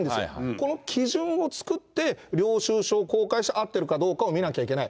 この基準を作って、領収書を公開して合ってるかどうかを見なきゃいけない。